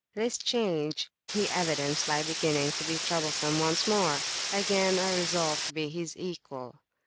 This change he evidenced by beginning to be troublesome once more. Again I resolved to be his equal.